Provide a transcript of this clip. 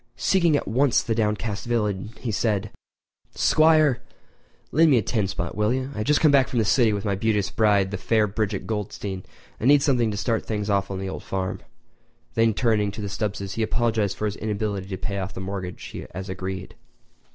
Seeking at once the downcast villain, he said: "Squire—lend me a ten spot, will you? I have just come back from the city with my beauteous bride, the fair Bridget Goldstein, and need something to start things on the old farm." Then turning to the Stubbses, he apologised for his inability to pay off the mortgage as agreed.